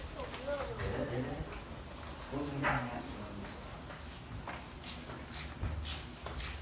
ตอนนี้ก็ไม่มีเวลาให้กลับไปแต่ตอนนี้ก็ไม่มีเวลาให้กลับไป